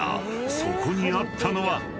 ［そこにあったのは］